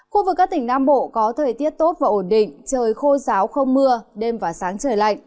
khu vực các tỉnh nam bộ có thời tiết tốt và ổn định trời khô ráo không mưa đêm và sáng trời lạnh